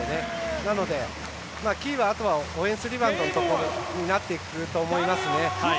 なのでキーはオフェンスリバウンドのところになっていくと思います。